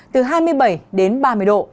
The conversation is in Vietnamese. từ hai mươi bảy đến ba mươi độ